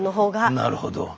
なるほど。